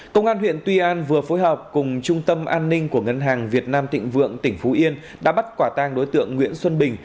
công an huyện tuy an vừa phối hợp cùng trung tâm an ninh của ngân hàng việt nam tịnh vượng tỉnh phú yên đã bắt quả tang đối tượng nguyễn xuân bình